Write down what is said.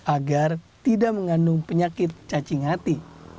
agar tidak mengandung penyakit cacing hati